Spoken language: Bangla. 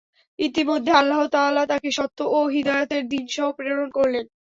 ইতিমধ্যে আল্লাহ তাআলা তাকে সত্য ও হিদায়াতের দীনসহ প্রেরণ করলেন।